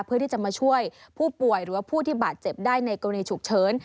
เพื่อที่จะมาช่วยผู้ป่วยหรือว่าผู้ที่บาดเจ็บได้ในกรณีฉุกเฉิน